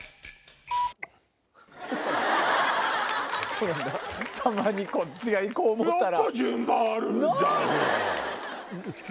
それではたまにこっちがいこう思たら。